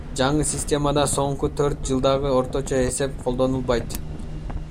Жаңы системада соңку төрт жылдагы орточо эсеп колдонулбайт.